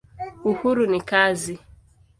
Uhuru ni kazi.